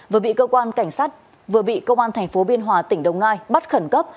vừa bị cơ quan cảnh sát vừa bị công an thành phố biên hòa tỉnh đồng nai bắt khẩn cấp